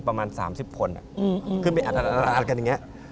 ประมาณ๓๐คนขึ้นไปอัดกันอย่างนี้